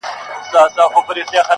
په شا کړی یې رنځور پلار لکه مړی٫